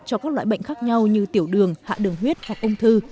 cho các loại bệnh khác nhau như tiểu đường hạ đường huyết hoặc ung thư